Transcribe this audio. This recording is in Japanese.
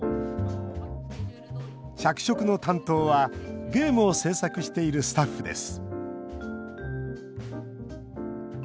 着色の担当は、ゲームを制作しているスタッフです